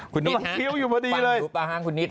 คุณนิทฮะปั่งห้างคุณนิทฮะ